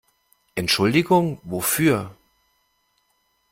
Entschuldigung wofür?